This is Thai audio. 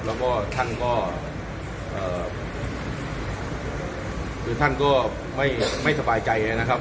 แล้วก็ท่านก็คือท่านก็ไม่สบายใจนะครับ